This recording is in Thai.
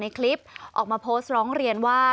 คลิปออกมาโพสต์ร้องเรียนว่า